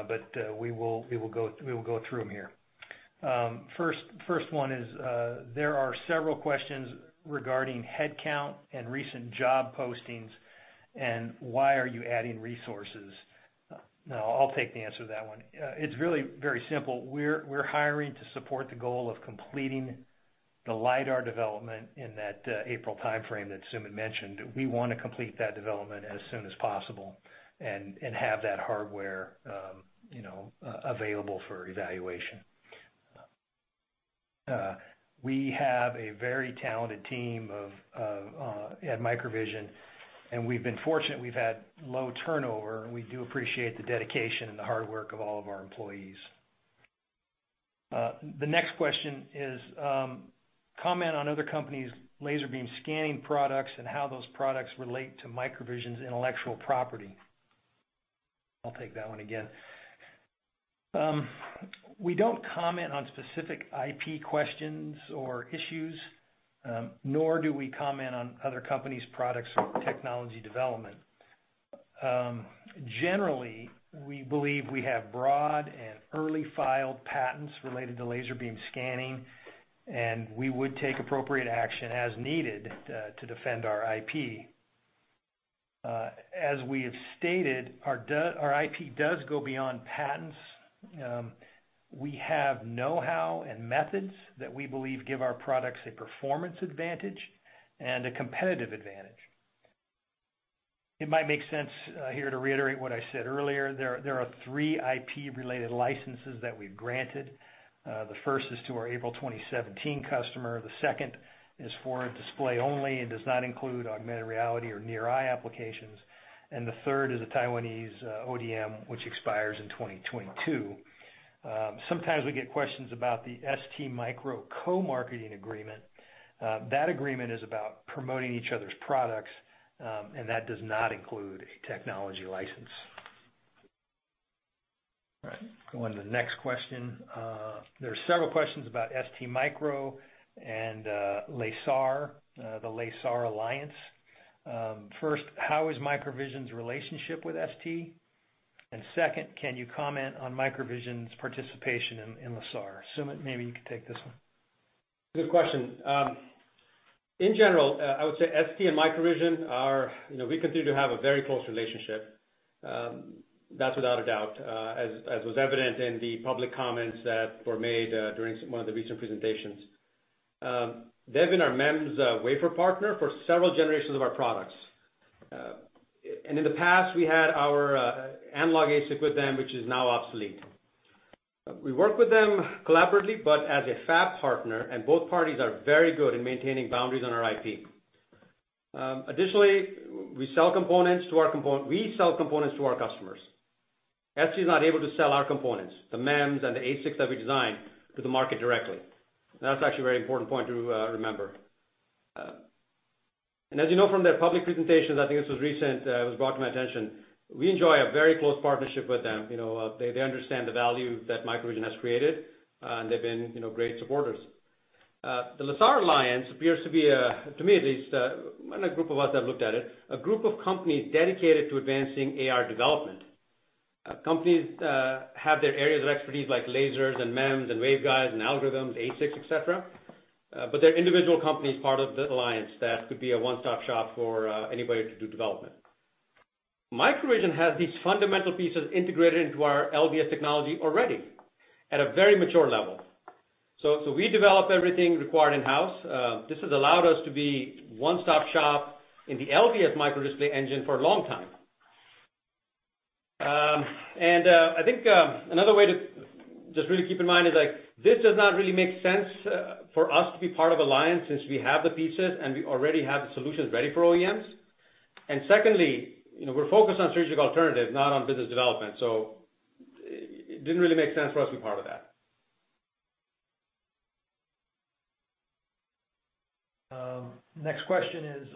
but we will go through them here. First one is, there are several questions regarding headcount and recent job postings and why are you adding resources. I'll take the answer to that one. It's really very simple. We're hiring to support the goal of completing the LiDAR development in that April timeframe that Sumit mentioned. We want to complete that development as soon as possible and have that hardware available for evaluation. We have a very talented team at MicroVision, and we've been fortunate. We've had low turnover, and we do appreciate the dedication and the hard work of all of our employees. The next question is, comment on other companies' Laser Beam Scanning products and how those products relate to MicroVision's intellectual property. I'll take that one again. We don't comment on specific IP questions or issues, nor do we comment on other companies' products or technology development. Generally, we believe we have broad and early filed patents related to Laser Beam Scanning, and we would take appropriate action as needed to defend our IP. As we have stated, our IP does go beyond patents. We have know-how and methods that we believe give our products a performance advantage and a competitive advantage. It might make sense here to reiterate what I said earlier. There are three IP-related licenses that we've granted. The first is to our April 2017 customer. The second is for display only and does not include augmented reality or near-eye applications. The third is a Taiwanese ODM, which expires in 2022. Sometimes we get questions about the STMicroelectronics co-marketing agreement. That agreement is about promoting each other's products, and that does not include a technology license. All right, go on to the next question. There's several questions about STMicroelectronics and LaSAR, the LaSAR Alliance. First, how is MicroVision's relationship with ST? Second, can you comment on MicroVision's participation in LaSAR? Sumit, maybe you could take this one. Good question. In general, I would say ST and MicroVision, we continue to have a very close relationship. That's without a doubt, as was evident in the public comments that were made during one of the recent presentations. They've been our MEMS wafer partner for several generations of our products. In the past, we had our analog ASIC with them, which is now obsolete. We work with them collaboratively, but as a fab partner, both parties are very good in maintaining boundaries on our IP. Additionally, we sell components to our customers. ST is not able to sell our components, the MEMS and the ASICs that we design, to the market directly. That's actually a very important point to remember. As you know from their public presentations, I think this was recent, it was brought to my attention, we enjoy a very close partnership with them. They understand the value that MicroVision has created, and they've been great supporters. The LaSAR Alliance appears to be, to me at least, and a group of us have looked at it, a group of companies dedicated to advancing AR development. Companies have their areas of expertise like lasers and MEMS and waveguides and algorithms, ASICs, et cetera. They're individual companies part of the alliance that could be a one-stop shop for anybody to do development. MicroVision has these fundamental pieces integrated into our LBS technology already at a very mature level. We develop everything required in-house. This has allowed us to be a one-stop shop in the LBS microdisplay engine for a long time. I think another way to just really keep in mind is this does not really make sense for us to be part of alliance since we have the pieces and we already have the solutions ready for OEMs. Secondly, we're focused on strategic alternatives, not on business development. It didn't really make sense for us to be part of that. Next question is,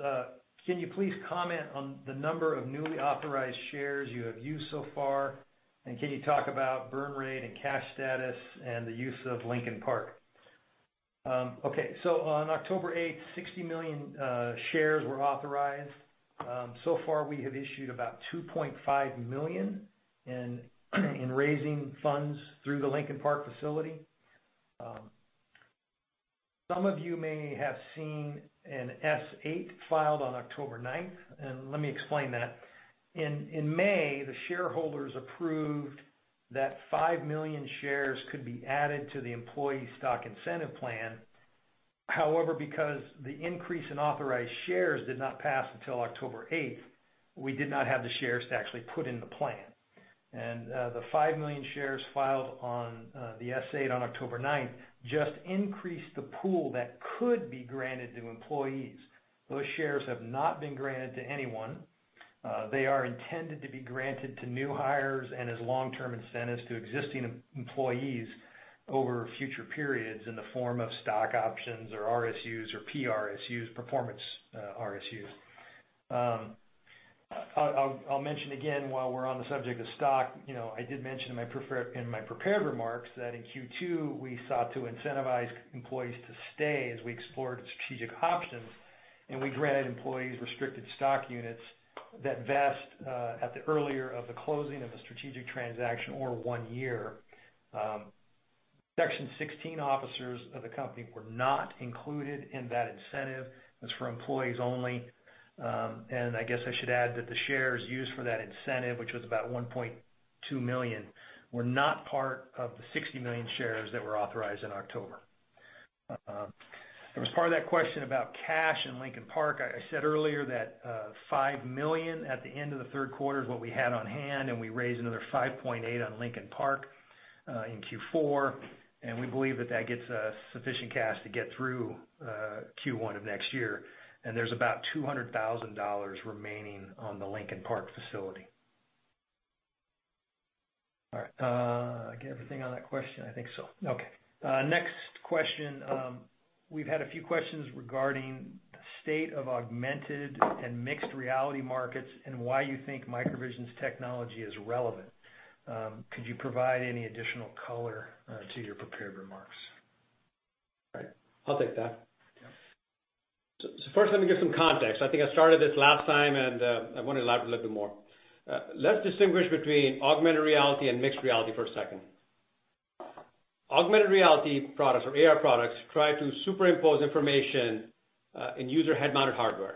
can you please comment on the number of newly authorized shares you have used so far? Can you talk about burn rate and cash status and the use of Lincoln Park? Okay. On October 8th, 60 million shares were authorized. So far, we have issued about 2.5 million in raising funds through the Lincoln Park facility. Some of you may have seen an S-8 filed on October 9th, and let me explain that. In May, the shareholders approved that 5 million shares could be added to the employee stock incentive plan. However, because the increase in authorized shares did not pass until October 8th, we did not have the shares to actually put in the plan. The 5 million shares filed on the S-8 on October 9th just increased the pool that could be granted to employees. Those shares have not been granted to anyone. They are intended to be granted to new hires and as long-term incentives to existing employees over future periods in the form of stock options or RSUs or PRSU, performance RSUs. I'll mention again, while we're on the subject of stock, I did mention in my prepared remarks that in Q2, we sought to incentivize employees to stay as we explored strategic options. We granted employees restricted stock units that vest at the earlier of the closing of a strategic transaction or one year. Section 16 officers of the company were not included in that incentive. It's for employees only. I guess I should add that the shares used for that incentive, which was about 1.2 million, were not part of the 60 million shares that were authorized in October. There was part of that question about cash and Lincoln Park. I said earlier that $5 million at the end of the third quarter is what we had on hand. We raised another $5.8 on Lincoln Park in Q4. We believe that that gets us sufficient cash to get through Q1 of next year. There's about $200,000 remaining on the Lincoln Park facility. All right. I get everything on that question? I think so. Okay. Next question. We've had a few questions regarding the state of augmented and mixed reality markets and why you think MicroVision's technology is relevant. Could you provide any additional color to your prepared remarks? Right. I'll take that. First, let me give some context. I think I started this last time, and I want to elaborate a little bit more. Let's distinguish between augmented reality and mixed reality for a second. Augmented reality products or AR products try to superimpose information in user head-mounted hardware.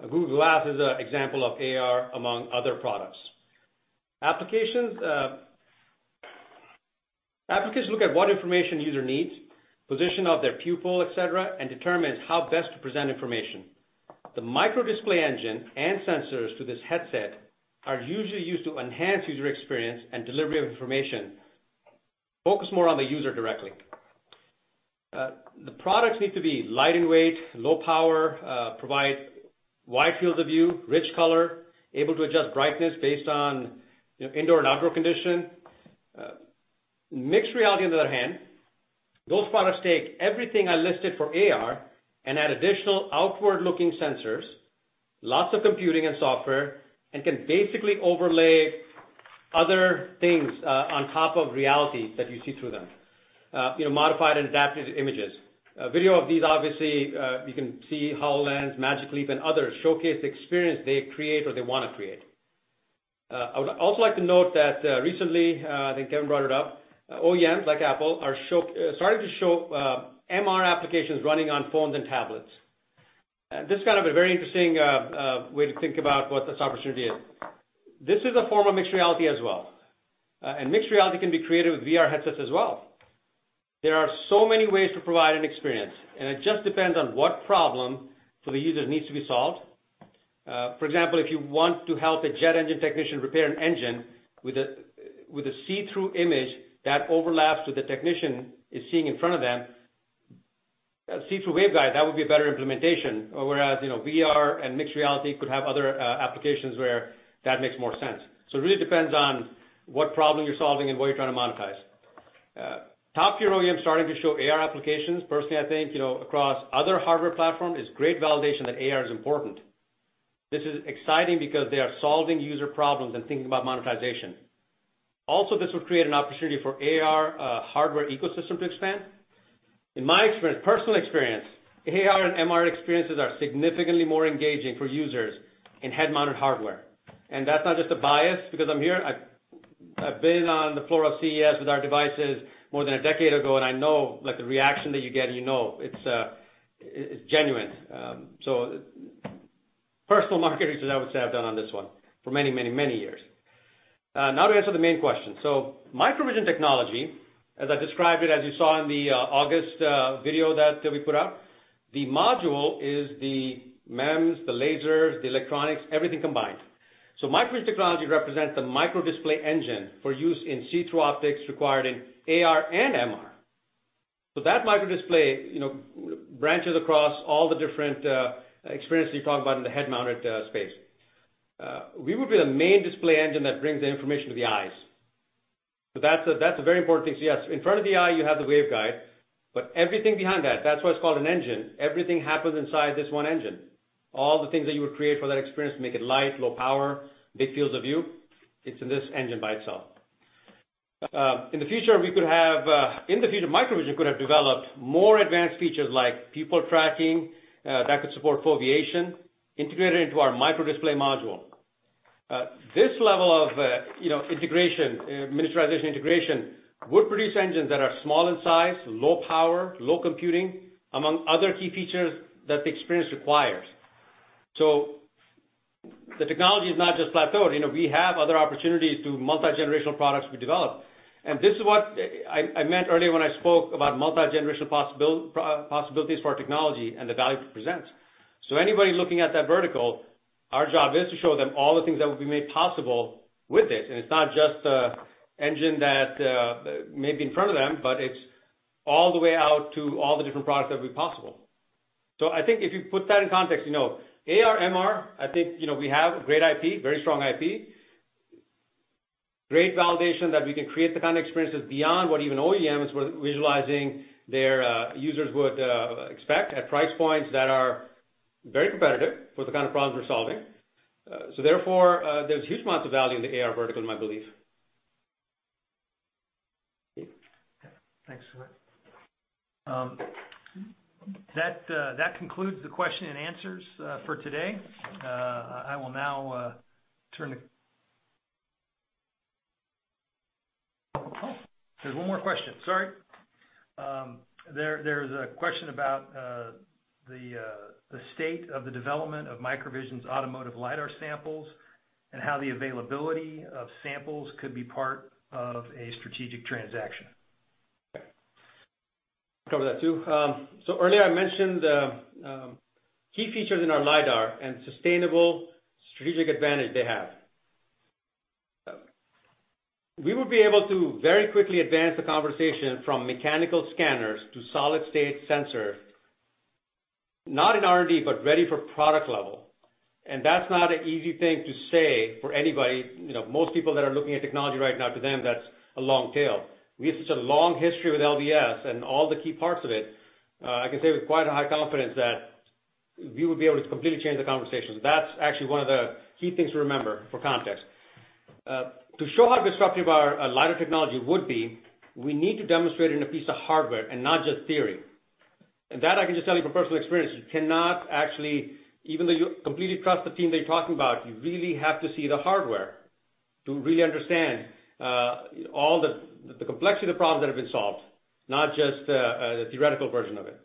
Google Glass is an example of AR among other products. Applications look at what information the user needs, position of their pupil, et cetera, and determines how best to present information. The micro display engine and sensors to this headset are usually used to enhance user experience and delivery of information. Focus more on the user directly. The products need to be light in weight, low power, provide wide fields of view, rich color, able to adjust brightness based on indoor and outdoor condition. Mixed reality, on the other hand, those products take everything I listed for AR and add additional outward-looking sensors, lots of computing and software, and can basically overlay other things on top of reality that you see through them. Modified and adapted images. Video of these, obviously, you can see HoloLens, Magic Leap, and others showcase the experience they create or they want to create. I would also like to note that recently, I think Kevin brought it up, OEMs like Apple are starting to show MR applications running on phones and tablets. This is kind of a very interesting way to think about what this opportunity is. This is a form of mixed reality as well. Mixed reality can be created with VR headsets as well. There are so many ways to provide an experience. It just depends on what problem for the user needs to be solved. For example, if you want to help a jet engine technician repair an engine with a see-through image that overlaps what the technician is seeing in front of them, a see-through waveguide, that would be a better implementation. Whereas, VR and mixed reality could have other applications where that makes more sense. It really depends on what problem you're solving and what you're trying to monetize. Top-tier OEM starting to show AR applications, personally, I think, across other hardware platforms is great validation that AR is important. This is exciting because they are solving user problems and thinking about monetization. Also, this would create an opportunity for AR hardware ecosystem to expand. In my personal experience, AR and MR experiences are significantly more engaging for users in head-mounted hardware. That's not just a bias because I'm here. I've been on the floor of CES with our devices more than a decade ago, and I know the reaction that you get. You know it's genuine. Personal market research I would say I've done on this one for many years. Now to answer the main question. MicroVision technology, as I described it, as you saw in the August video that we put out, the module is the MEMS, the lasers, the electronics, everything combined. MicroVision technology represents the micro display engine for use in see-through optics required in AR and MR. That micro display branches across all the different experiences you talk about in the head-mounted space. We would be the main display engine that brings the information to the eyes. That's a very important thing. Yes, in front of the eye, you have the waveguide, but everything behind that's why it's called an engine. Everything happens inside this one engine. All the things that you would create for that experience to make it light, low power, big fields of view, it's in this engine by itself. In the future, MicroVision could have developed more advanced features like pupil tracking that could support foveation integrated into our micro display module. This level of integration, miniaturization integration, would produce engines that are small in size, low power, low computing, among other key features that the experience requires. The technology is not just plateaued. We have other opportunities through multi-generational products we develop. This is what I meant earlier when I spoke about multi-generational possibilities for our technology and the value it presents. Anybody looking at that vertical, our job is to show them all the things that would be made possible with it. It's not just the engine that may be in front of them, but it's all the way out to all the different products that would be possible. I think if you put that in context, AR, MR, I think we have great IP, very strong IP. Great validation that we can create the kind of experiences beyond what even OEMs were visualizing their users would expect at price points that are very competitive for the kind of problems we're solving. Therefore, there's huge amounts of value in the AR vertical, in my belief. Okay. Thanks for that. That concludes the question and answers for today. There's one more question. Sorry. There's a question about the state of the development of MicroVision's automotive LiDAR samples and how the availability of samples could be part of a strategic transaction. Okay. Cover that, too. Earlier, I mentioned key features in our LiDAR and sustainable strategic advantage they have. We would be able to very quickly advance the conversation from mechanical scanners to solid-state sensors. Not in R&D, but ready for product level. That's not an easy thing to say for anybody. Most people that are looking at technology right now, to them, that's a long tail. We have such a long history with LBS and all the key parts of it. I can say with quite a high confidence that we will be able to completely change the conversation. That's actually one of the key things to remember for context. To show how disruptive our LiDAR technology would be, we need to demonstrate in a piece of hardware and not just theory. That I can just tell you from personal experience, you cannot actually, even though you completely trust the team they're talking about, you really have to see the hardware to really understand all the complexity of the problems that have been solved, not just the theoretical version of it.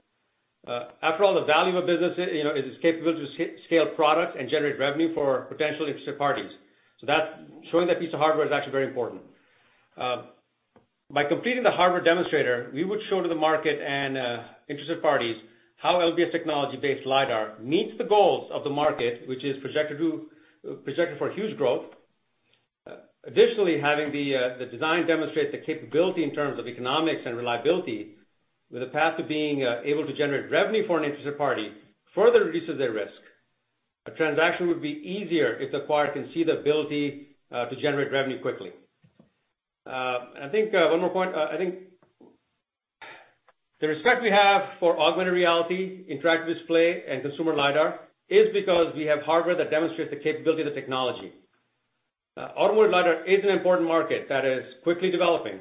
After all, the value of business is its capability to scale product and generate revenue for potentially interested parties. Showing that piece of hardware is actually very important. By completing the hardware demonstrator, we would show to the market and interested parties how LBS technology-based LiDAR meets the goals of the market, which is projected for huge growth. Additionally, having the design demonstrate the capability in terms of economics and reliability with a path to being able to generate revenue for an interested party further reduces their risk. A transaction would be easier if the acquirer can see the ability to generate revenue quickly. I think one more point. I think the respect we have for augmented reality, interactive display, and consumer LiDAR is because we have hardware that demonstrates the capability of the technology. Automotive LiDAR is an important market that is quickly developing.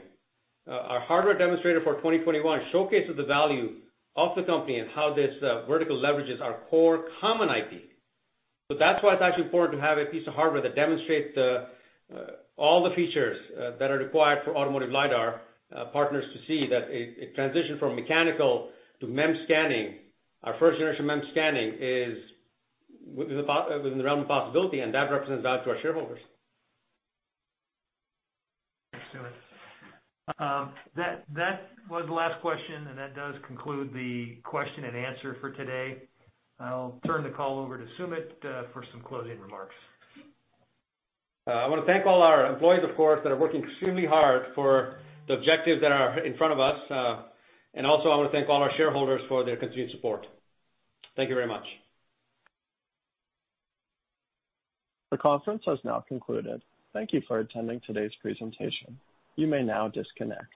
Our hardware demonstrator for 2021 showcases the value of the company and how this vertical leverages our core common IP. That's why it's actually important to have a piece of hardware that demonstrates all the features that are required for automotive LiDAR partners to see that a transition from mechanical to MEMS scanning, our first generation MEMS scanning is within the realm of possibility, and that represents value to our shareholders. Thanks, Sumit. That was the last question, and that does conclude the question and answer for today. I'll turn the call over to Sumit for some closing remarks. I want to thank all our employees, of course, that are working extremely hard for the objectives that are in front of us. Also, I want to thank all our shareholders for their continued support. Thank you very much. The conference has now concluded. Thank you for attending today's presentation. You may now disconnect.